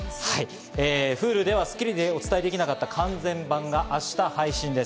Ｈｕｌｕでは『スッキリ』でお伝えできなかった完全版が明日配信です。